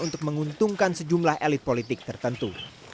untuk menguntungkan sejumlah elit politik tertentu